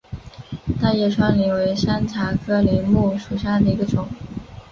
大叶川柃为山茶科柃木属下的一个变种。